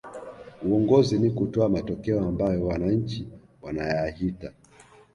uongozi ni kutoa matokeo ambayo wananchi wanayahita